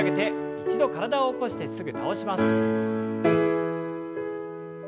一度体を起こしてすぐ倒します。